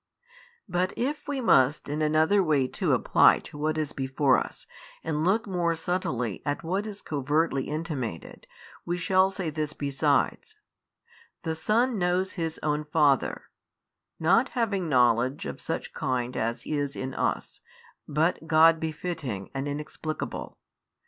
But if we must in another way too apply to what is before us and look more subtilly at what is covertly intimated, we shall say this besides, The Son knows His own Father, not having knowledge of such kind as is in us, but Godbefitting and inexplicable.